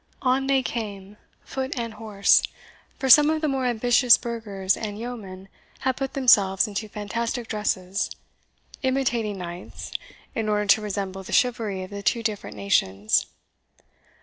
On they came, foot and horse; for some of the more ambitious burghers and yeomen had put themselves into fantastic dresses, imitating knights, in order to resemble the chivalry of the two different nations.